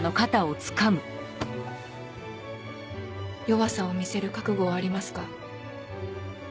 弱さを見せる覚悟はありますか？